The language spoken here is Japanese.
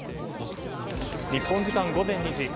日本時間午前２時。